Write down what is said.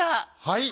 はい。